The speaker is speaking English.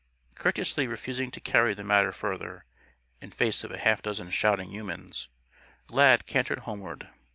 Courteously refusing to carry the matter further, in face of a half dozen shouting humans, Lad cantered homeward.